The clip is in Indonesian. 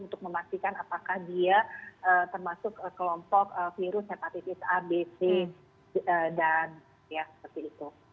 untuk memastikan apakah dia termasuk kelompok virus hepatitis a b c dan ya seperti itu